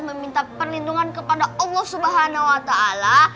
meminta perlindungan kepada allah swt